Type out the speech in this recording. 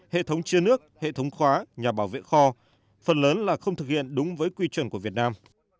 hệ thống chia nước hệ thống khóa nhà bảo vệ kho phần lớn là không thực hiện đúng với quy chuẩn của việt nam